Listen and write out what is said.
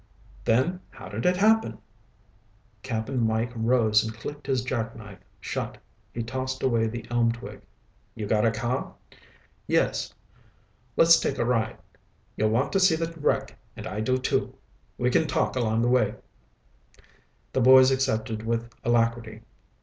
"Then how did it happen?" Cap'n Mike rose and clicked his jackknife shut. He tossed away the elm twig. "You got a car?" "Yes." "Let's take a ride. You'll want to see the wreck, and I do, too. We can talk on the way." The boys accepted with alacrity.